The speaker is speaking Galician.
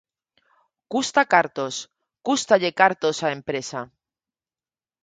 Custa cartos, cústalle cartos á empresa.